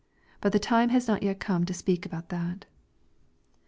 But the time has not come yet to speak about that.